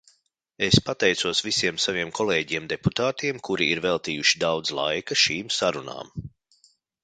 Es pateicos visiem saviem kolēģiem deputātiem, kuri ir veltījuši daudz laika šīm sarunām.